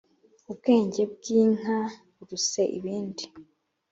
ubwenge bw’inka buruse ibindi